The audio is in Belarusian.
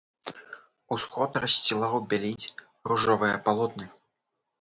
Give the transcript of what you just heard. Усход рассцілаў бяліць ружовыя палотны.